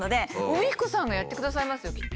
海彦さんがやってくださいますよきっと。